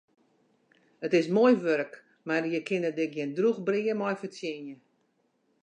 It is moai wurk, mar je kinne der gjin drûch brea mei fertsjinje.